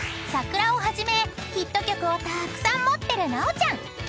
［『さくら』をはじめヒット曲をたくさん持ってる直ちゃん］